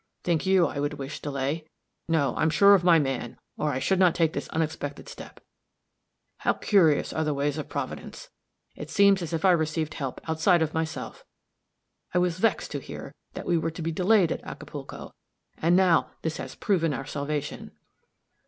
Think you I would wish delay? No. I'm sure of my man, or I should not take this unexpected step. How curious are the ways of Providence! It seems as if I received help outside of myself. I was vexed to hear that we were to be delayed at Acapulco, and now this has proven our salvation."